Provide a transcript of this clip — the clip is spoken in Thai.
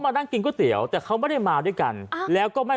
เมื่อเวลาเกิดขึ้นมันกลายเป้าหมายและกลายเป้าหมาย